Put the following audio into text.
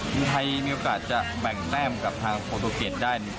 ทีมไทยมีโอกาสจะแบ่งแต้มกับทางโปรตูเกตได้